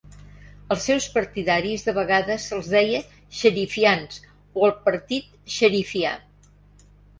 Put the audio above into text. Als seus partidaris de vegades se'ls deia "xerifians" o el "partit xerifià"